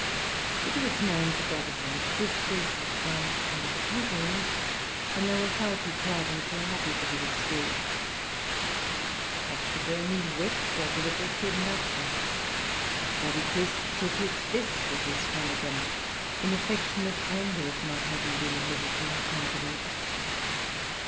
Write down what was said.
It was known to brothers and sisters, aunts and cousins; and they were far too proud and too happy to be discreet. Dr. Burney wept over the book in rapture. Daddy Crisp shook his[Pg 350] fist at his Fannikin in affectionate anger at not having been admitted to her confidence.